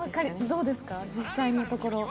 どうですか、実際のところ？